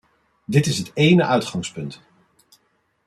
Dit is het ene uitgangspunt.